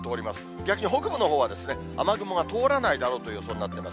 逆に北部のほうは雨雲が通らないだろうという予想になってます。